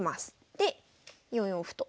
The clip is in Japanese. で４四歩と。